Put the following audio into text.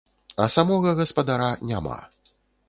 А самога гаспадара няма.